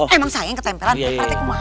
emang sayang ketempelan pak rete kumah sih